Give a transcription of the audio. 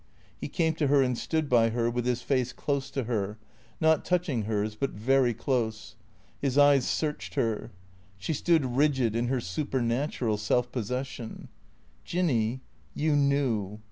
He came to her and stood by her, with his face close to her, not touching hers, but very close. His eyes searched her. She stood rigid in her supernatural self possession. " Jinny, you knew.